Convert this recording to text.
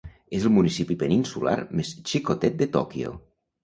És el municipi peninsular més xicotet de Tòquio.